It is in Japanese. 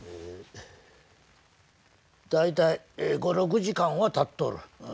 大体５６時間はたっとる。